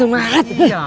lu yang jangan di jalan